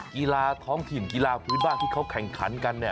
กีฬาท้องถิ่นกีฬาพื้นบ้านที่เขาแข่งขันกันเนี่ย